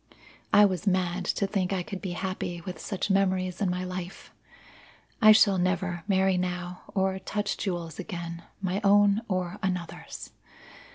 I was mad to think I could be happy with such memories in my life. I shall never marry now or touch jewels again my own or another's.